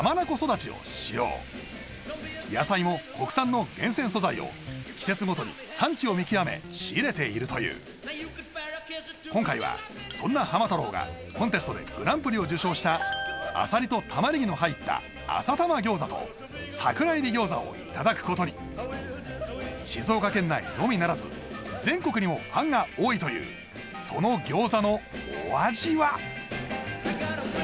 だちを使用野菜も国産の厳選素材を季節ごとに産地を見極め仕入れているという今回はそんな浜太郎がコンテストでグランプリを受賞したあさりと玉ねぎの入ったあさ玉餃子と桜えび餃子をいただくことに静岡県内のみならず全国にもファンが多いというその餃子のお味は？